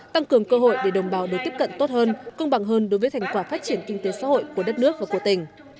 tăng cường cơ hội để đồng bào đối tiếp cận tốt hơn công bằng hơn đối với thành quả phát triển kinh tế xã hội của đất nước và của tỉnh